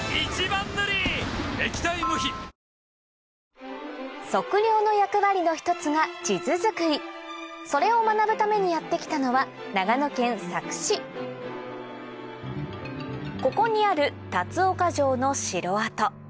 損保ジャパン測量の役割の一つが地図作りそれを学ぶためにやって来たのはここにある龍岡城の城跡